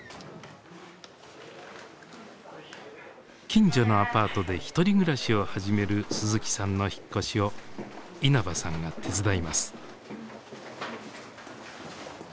近所のアパートで１人暮らしを始める鈴木さんの引っ越しを稲葉さんが手伝います。